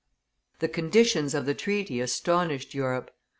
The conditions of the treaty astonished Europe.